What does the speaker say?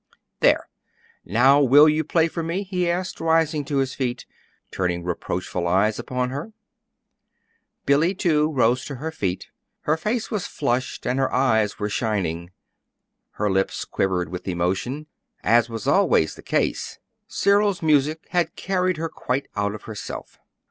"There! Now will you play for me?" he asked, rising to his feet, and turning reproachful eyes upon her. Billy, too, rose to her feet. Her face was flushed and her eyes were shining. Her lips quivered with emotion. As was always the case, Cyril's music had carried her quite out of herself.